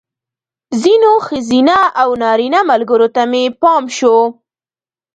ځینو ښځینه او نارینه ملګرو ته مې پام شو.